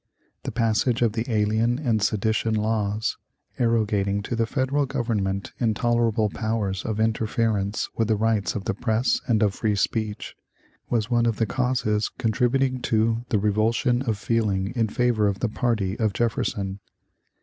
The passage of the alien and sedition laws, arrogating to the federal government intolerable powers of interference with the rights of the press and of free speech, was one of the causes contributing to the revulsion of feeling in favor of the party of Jefferson.